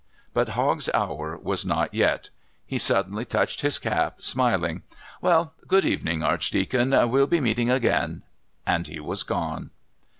But Hogg's hour was not yet. He suddenly touched his cap, smiling. "Well, good evening, Archdeacon. We'll be meeting again," and he was gone.